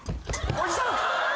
おじさん？